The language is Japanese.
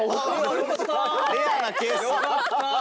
よかった。